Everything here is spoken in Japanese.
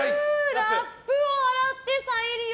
ラップを洗って再利用。